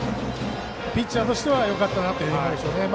ピッチャーとしてはよかったなというところですね